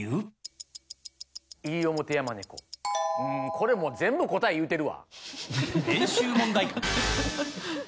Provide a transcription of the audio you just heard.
これも全部答え言うてるわ。